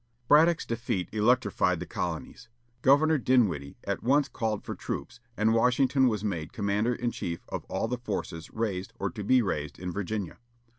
Braddock's defeat electrified the colonies. Governor Dinwiddie at once called for troops, and Washington was made "commander in chief of all the forces raised or to be raised in Virginia."